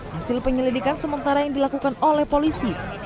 hasil penyelidikan sementara yang dilakukan oleh polisi